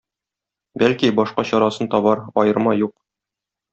бәлки, башка чарасын табар - аерма юк.